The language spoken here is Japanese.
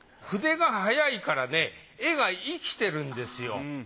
筆が速いからね絵が生きてるんですよ。